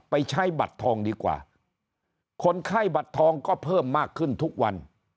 ไปใช้บัตรทองดีกว่าคนไข้บัตรทองก็เพิ่มมากขึ้นทุกวัน